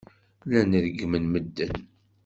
Llan reggmen medden.